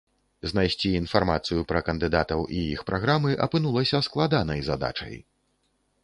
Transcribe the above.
Знайсці інфармацыю пра кандыдатаў і іх праграмы апынулася складанай задачай.